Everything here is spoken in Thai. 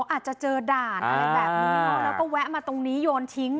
อาจจะเจอด่านอะไรแบบนี้แล้วก็แวะมาตรงนี้โยนทิ้ง